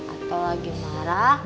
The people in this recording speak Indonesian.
atau lagi marah